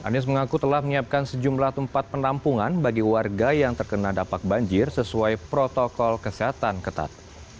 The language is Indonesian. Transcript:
anies mengaku telah menyiapkan sejumlah tempat penampungan bagi warga yang terkena dampak banjir sesuai protokol kesehatan ketat